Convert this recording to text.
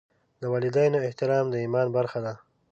د والدینو احترام د ایمان برخه ده.